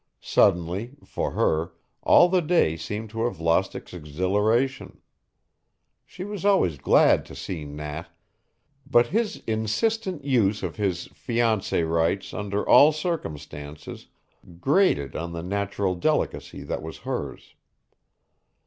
Suddenly (for her) all the day seemed to have lost its exhilaration. She was always glad to see Nat, but his insistent use of his fiancé rights under all circumstances grated on the natural delicacy that was hers.